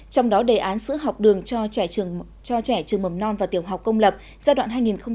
trong đó đề án sửa học đường cho trẻ trường mầm non và tiểu học công lập giai đoạn hai nghìn một mươi tám hai nghìn hai mươi một